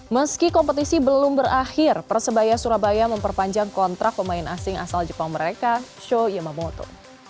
meski kompetisi belum berakhir persebaya surabaya memperpanjang kontrak pemain asing asal jepang mereka show yamamoto